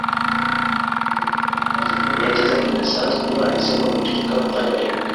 Ntekereza ko bidasanzwe kuba Alice agomba guceceka umwanya muremure.